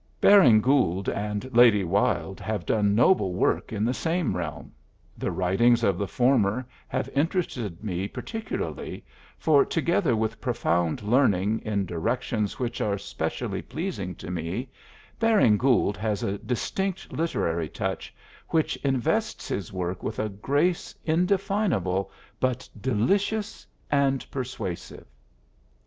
Baring Gould and Lady Wilde have done noble work in the same realm; the writings of the former have interested me particularly, for together with profound learning in directions which are specially pleasing to me, Baring Gould has a distinct literary touch which invests his work with a grace indefinable but delicious and persuasive.